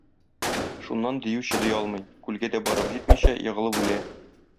Шуннан дию чыдый алмый, күлгә дә барып җитмичә, егылып үлә.